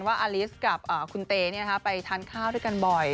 อาลิสกับคุณเตไปทานข้าวด้วยกันบ่อย